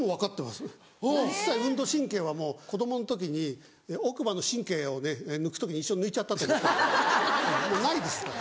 一切運動神経は子供の時に奥歯の神経を抜く時に一緒に抜いちゃったと思ってるもうないですだから。